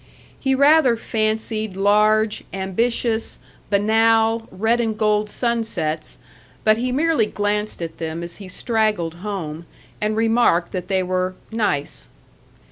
He rather fancied large, ambitious, banal, red and gold sunsets, but he merely glanced at them as he straggled home, and remarked that they were "nice."